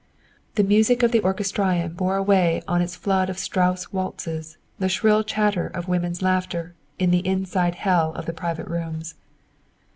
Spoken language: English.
The music of the Orchestrion bore away on its flood of Strauss waltzes the shrill chatter of women's laughter in the inside hell of the private rooms.